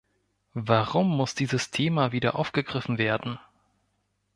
Warum muss dieses Thema wieder aufgegriffen werden?